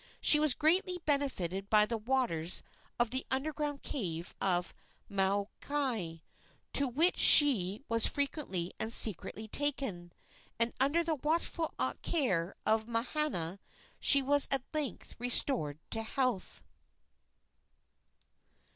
She was greatly benefited by the waters of the underground cave of Mauoki, to which she was frequently and secretly taken, and under the watchful care of Mahana she was at length restored to health.